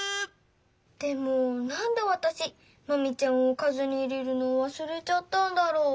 でもなんでわたしマミちゃんをかずに入れるのをわすれちゃったんだろう？